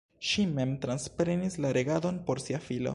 Ŝi mem transprenis la regadon por sia filo.